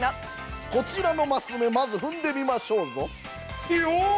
こちらのマス目まず踏んでみましょうぞ！